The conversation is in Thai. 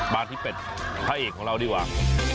มาที่เป็ดพระเอกของเราดีกว่า